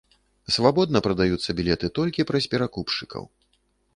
Свабодна прадаюцца білеты толькі праз перакупшчыкаў.